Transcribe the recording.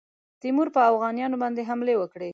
تیمور پر اوغانیانو باندي حملې وکړې.